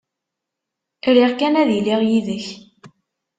Riɣ kan ad iliɣ yid-k.